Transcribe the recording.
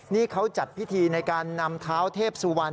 นี่เขาจัดพิธีในการนำเท้าเทพสุวรรณ